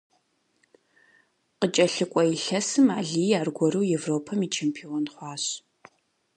КъыкӀэлъыкӀуэ илъэсым Алий аргуэру Европэм и чемпион хъуащ.